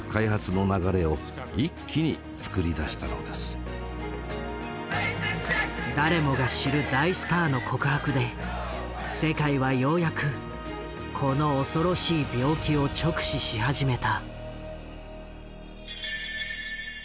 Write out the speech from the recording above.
彼が誰もが知る大スターの告白で世界はようやくこの恐ろしい病気を直視し始めた。